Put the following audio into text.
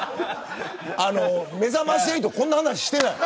めざまし８でこんな話してない。